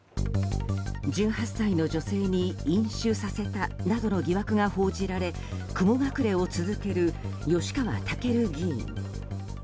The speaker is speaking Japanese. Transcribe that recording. １８歳の女性に飲酒させたなどの疑惑が報じられ雲隠れを続ける吉川赳議員。